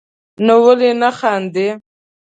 نو ولي نه خاندئ